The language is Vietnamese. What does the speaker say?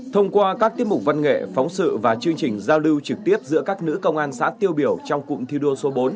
thông qua các tiết mục văn nghệ phóng sự và chương trình giao lưu trực tiếp giữa các nữ công an xã tiêu biểu trong cụm thi đua số bốn